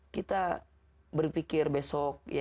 kita berpikir besok